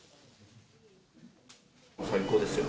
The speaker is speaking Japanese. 最高ですよ。